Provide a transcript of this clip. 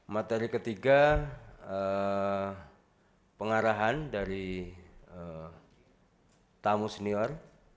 materi ketiga pengarahan dari tamu senior